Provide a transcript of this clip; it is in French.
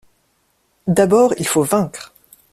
D'abord il faut vaincre!